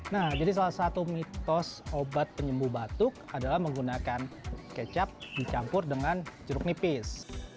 nah jadi salah satu mitos obat penyembuh batuk adalah menggunakan kecap dicampur dengan jeruk nipis